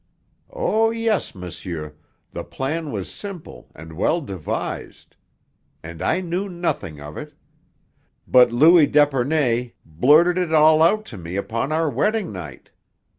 "Oh, yes, monsieur, the plan was simple and well devised. And I knew nothing of it. But Louis d'Epernay blurted it all out to me upon our wedding night.